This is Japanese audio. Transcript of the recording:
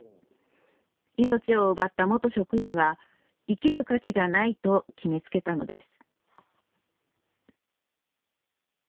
命を奪った元職員は生きる価値がないと決めつけたのです。